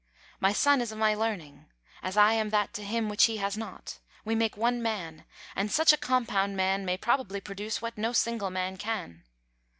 My son is my learning, as I am that to him which he has not. We make one man, and such a compound man may probably produce what no single man can."